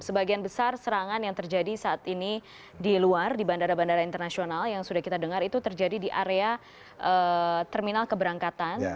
sebagian besar serangan yang terjadi saat ini di luar di bandara bandara internasional yang sudah kita dengar itu terjadi di area terminal keberangkatan